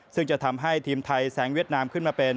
ซึ่งจะทำให้ทีมไทยแสงเวียดนามขึ้นมาเป็น